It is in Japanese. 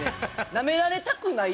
ナメられたくない？